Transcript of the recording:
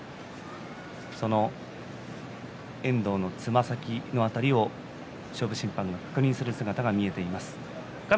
遠藤のつま先の辺りを勝負審判が確認する姿が見えています。